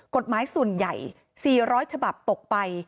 กฎหมายส่วนใหญ่๔๐๐ฉบับตกไป